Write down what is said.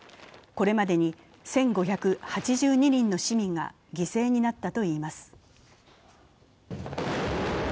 これまでに１５８２人の市民が犠牲になったといいます。